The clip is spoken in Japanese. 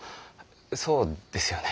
そうですよね。